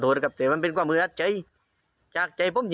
แต่นี่คือความอึดอัดใจจากใจผม